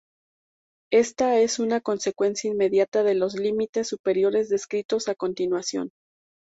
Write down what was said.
Esta es una consecuencia inmediata de los límites superiores descritos a continuación.